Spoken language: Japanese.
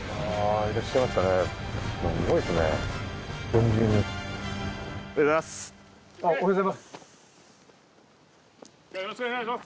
おはようございます。